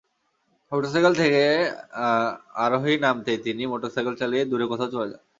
Motorcycle থেকে আরোহী নামতেই তিনি মোটরসাইকেল চালিয়ে দূরে কোথাও চলে যান।